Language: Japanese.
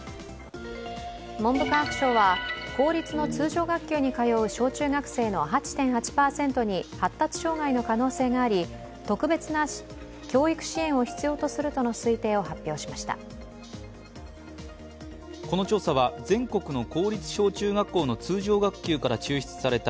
文部科学省は公立の通常学級に通う小中学生の８．８％に発達障害の可能性があり特別な教育支援を必要とするとの推定を発表しました。